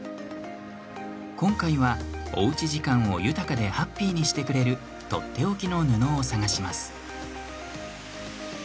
今回は、おうち時間を豊かでハッピーにしてくれるとっておきの布を探します。